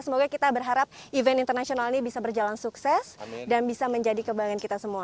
semoga kita berharap event internasional ini bisa berjalan sukses dan bisa menjadi kebanggaan kita semua